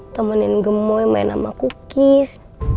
tamanin gemoy main sama kukis